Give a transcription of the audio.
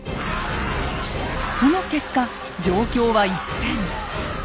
その結果状況は一変。